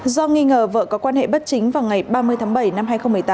do nghi ngờ vợ có quan hệ bất chính vào ngày ba mươi tháng bảy năm hai nghìn một mươi tám